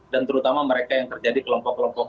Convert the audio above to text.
dan terutama mereka yang terjadi kelompok kelompok